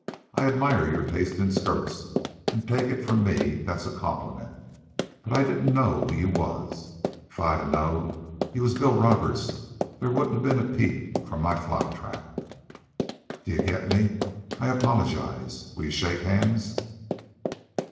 I admire your taste in skirts, an' take it from me that's a compliment; but I didn't know who you was. If I'd knowed you was Bill Roberts there wouldn't been a peep from my fly trap. D'ye get me? I apologize. Will you shake hands?"